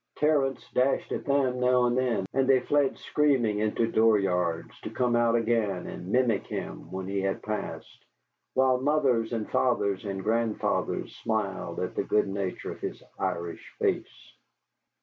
Terence dashed at them now and then, and they fled screaming into dooryards to come out again and mimic him when he had passed, while mothers and fathers and grandfathers smiled at the good nature in his Irish face.